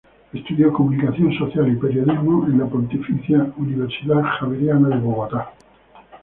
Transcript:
Estudió comunicación social y periodismo en la Pontificia Universidad Javeriana de Bogotá.